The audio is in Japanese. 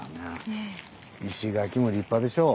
石垣も立派でしょう。